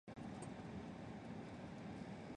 郑士琦的部属。